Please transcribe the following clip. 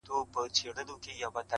زما دقام خلګ چي جوړ سي رقيبان ساتي,